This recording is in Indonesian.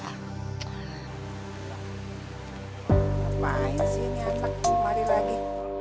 ngapain sih ini anak sumadi lagi